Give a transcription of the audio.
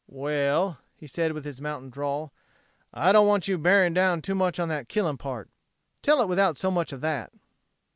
"Well," he said with his mountain drawl, "I don't want you bearing down too much on that killing part. Tell it without so much of that!"